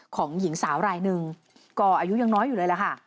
ของหญิงสาวรายหนึ่งก็อายุยังน้อยอยู่เลยล่ะค่ะ